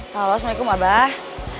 halo assalamualaikum abah